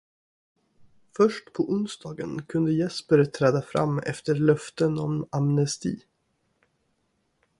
Först på onsdagen kunde Jesper träda fram efter löften om amnesti.